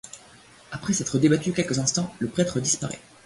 Après s'être débattu quelques instants, le prêtre disparaît.